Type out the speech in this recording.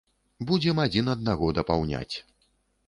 Будзем адзін аднаго дапаўняць.